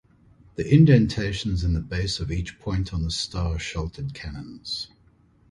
The indentations in the base of each point on the star sheltered cannons.